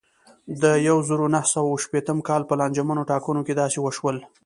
د یوه زرو نهه سوه اوه شپېتم کال په لانجمنو ټاکنو کې داسې وشول.